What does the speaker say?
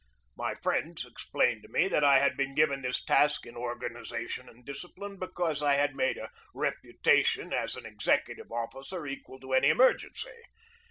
My friends explained to me that I had been given this task in organization and discipline because I had made a reputation as an executive officer equal to any emergency.